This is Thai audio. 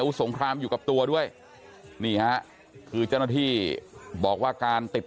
สงครามอยู่กับตัวด้วยนี่ฮะคือเจ้าหน้าที่บอกว่าการติด